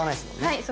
はい。